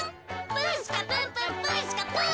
プンスカプンプンプンスカプン！